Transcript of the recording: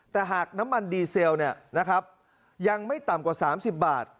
แต่หากน้ำมันดีเซลยังไม่ต่ำกว่า๓๐บาท